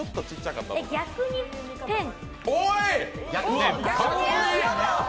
逆に、ペン？